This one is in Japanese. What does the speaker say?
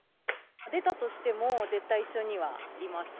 出たとしても、絶対一緒にはいます。